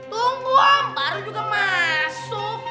tunggu om baru juga masuk